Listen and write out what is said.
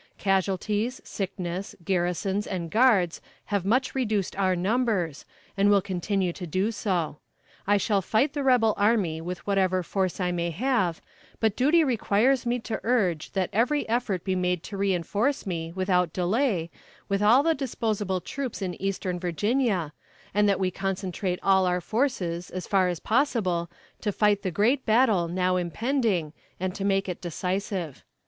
Casualties, sickness, garrisons and guards have much reduced our numbers, and will continue to do so. I shall fight the rebel army with whatever force I may have, but duty requires me to urge that every effort be made to reinforce me, without delay, with all the disposable troops in Eastern Virginia, and that we concentrate all our forces, as far as possible, to fight the great battle now impending, and to make it decisive.